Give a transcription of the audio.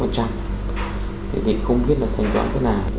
thế thì không biết là thay toán thế nào